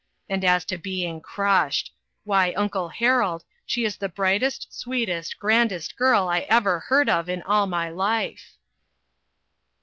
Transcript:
And as to being crushed! why, uncle Harold, she is the brightest, sweetest, grandest girl I ever heard of in all my life."